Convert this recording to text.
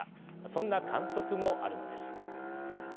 そんな観測もあるのです。